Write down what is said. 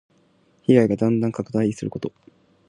被害がだんだん拡大すること。